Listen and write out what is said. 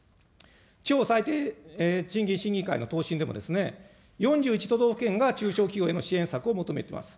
地方最低賃金審議会の答申でもですね、４１都道府県が中小企業への支援策を求めています。